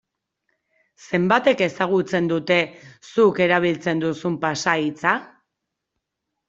Zenbatek ezagutzen dute zeuk erabiltzen duzun pasahitza?